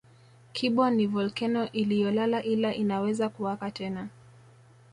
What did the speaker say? Kibo ni volkeno iliyolala ila inaweza kuwaka tena